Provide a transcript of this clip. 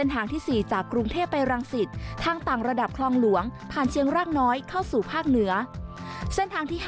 ๔ทางแตงระดับคลองหลวงผ่านเชียงรากน้อยเข้าสู่หนี้